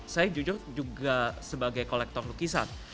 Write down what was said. saya jujur juga sebagai kolektor lukisan